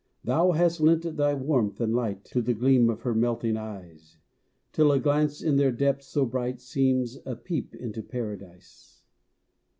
Thou hast lent thy warmth and light To the gleam of her melting eyes, Till a glance in their depths so bright Seems a peep into Paradise.